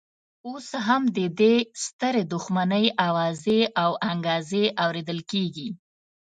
اوس هم د دې سترې دښمنۍ اوازې او انګازې اورېدل کېږي.